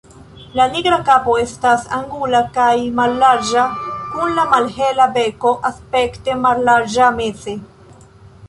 La nigra kapo estas angula kaj mallarĝa kun la malhela beko aspekte mallarĝa meze.